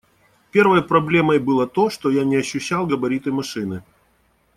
Первой проблемой было то, что я не ощущал габариты машины.